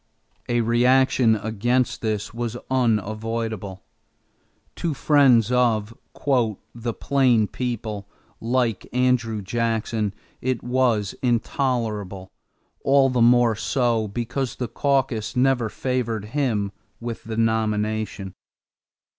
A reaction against this was unavoidable. To friends of "the plain people," like Andrew Jackson, it was intolerable, all the more so because the caucus never favored him with the nomination.